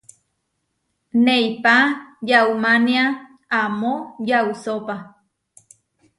Neipá yaumánia amó yausópa.